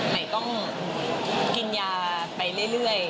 ไหนต้องกินยาไปเรื่อย